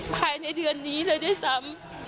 ภายในเดือนนี้เลยด้วยซ้ำ